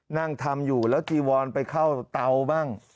นั่งทำอยู่แล้วจีวอนไปเข้าเตาบ้าง